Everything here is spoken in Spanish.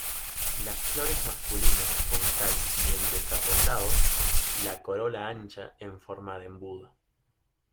Las flores masculinas con cáliz bien desarrollado, la corola ancha en forma de embudo.